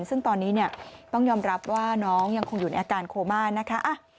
ซึ่งตอนนี้ต้องยอมรับว่าน้องยังคงอยู่ในอาการโคม่านะคะ